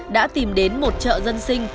đã tìm đến một chợ dân sinh